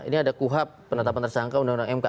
ini ada kuhap penetapan tersangka undang undang mk